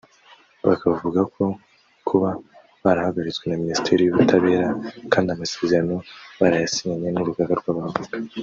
Bakavuga ko kuba barahagaritswe na Minisiteri y’Ubutabera kandi amasezerano barayasinyanye n’Urugaga rw’Abavoka